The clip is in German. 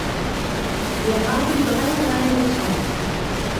Wir haben dreierlei getan.